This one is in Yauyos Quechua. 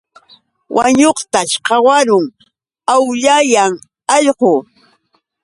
Wañuqtaćh qawarun, awllayan allqu.